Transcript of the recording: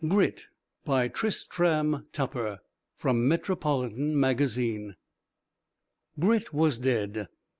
GRIT By TRISTRAM TUPPER From Metropolitan Magazine Grit was dead.